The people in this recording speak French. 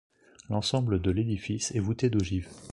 L'ensemble de l'édifice est voûté d'ogives.